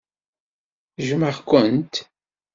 Jjmeɣ-kent.